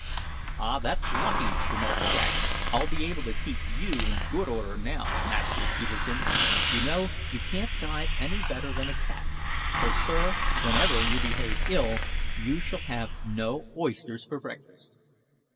"Ah! that's lucky," remarked Jack. "I'll be able to keep you in good order now, Master Peterkin. You know you can't dive any better than a cat. So, sir, whenever you behave ill you shall have no oysters for breakfast."